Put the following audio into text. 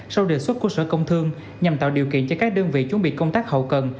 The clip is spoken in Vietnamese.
sau đề xuất của sở công thương nhằm tạo điều kiện cho các đơn vị chuẩn bị công tác hậu cần